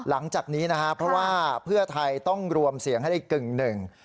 หลังจากนี้นะครับเพราะว่าเพื่อไทยต้องรวมเสียงให้ได้กึ่งหนึ่ง